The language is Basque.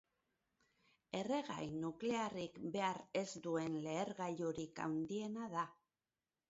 Erregai nuklearrik behar ez duen lehergailurik handiena da.